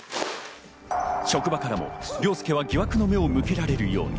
職場からも凌介は疑惑の目を向けられるように。